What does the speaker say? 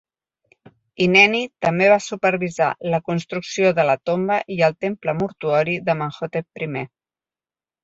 Ineni també va supervisar la construcció de la tomba i el temple mortuori d'Amenhotep I.